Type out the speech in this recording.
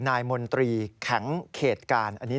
นายมนตรีแข็งเขตการ